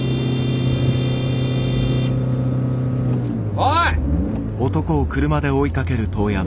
おい！